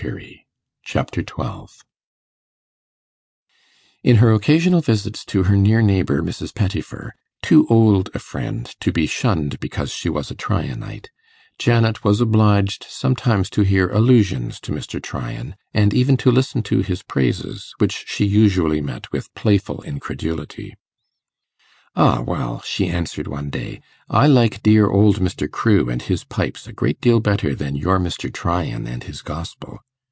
Chapter 12 In her occasional visits to her near neighbour Mrs. Pettifer, too old a friend to be shunned because she was a Tryanite, Janet was obliged sometimes to hear allusions to Mr. Tryan, and even to listen to his praises, which she usually met with playful incredulity. 'Ah, well,' she answered one day, 'I like dear old Mr. Crewe and his pipes a great deal better than your Mr. Tryan and his Gospel.